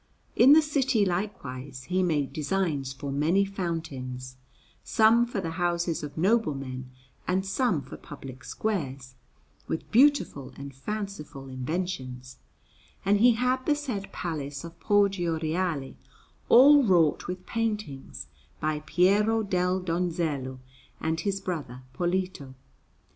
In the city, likewise, he made designs for many fountains, some for the houses of noblemen and some for public squares, with beautiful and fanciful inventions; and he had the said Palace of Poggio Reale all wrought with paintings by Piero del Donzello and his brother Polito.